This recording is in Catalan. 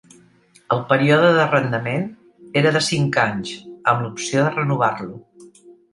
El període d'arrendament era de cinc anys, amb l'opció de renovar-lo.